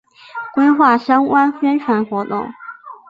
规划相关宣传活动